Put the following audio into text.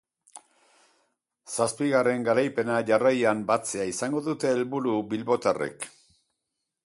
Zazpigarren garaipen jarraian batzea izango dute helburu bilbotarrek.